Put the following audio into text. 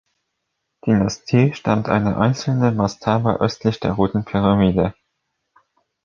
Dynastie stammt eine einzelne Mastaba östlich der Roten Pyramide.